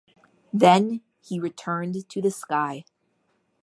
Then he returned to the sky.